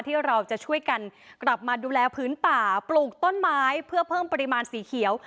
ที่เราจะช่วยกันกลับมาดูแลพื้นป่าปลูกต้นไม้เพื่อเพิ่มปริมาณสีเขียว